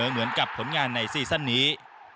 เหมือนกับผลงานในซีซั่นนี้